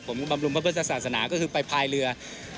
ผมบำรุมรวมทุกประเภทศาสนาก็คือไปภายเรือ